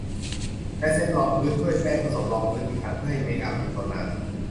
และเซตรองพื้นด้วยแป้งผสมรองพื้นอีกครั้งเพื่อให้เมคอัพติดทนนาน